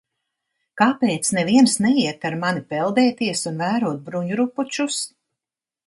Kāpēc neviens neiet ar mani peldēties un vērot bruņurupučus?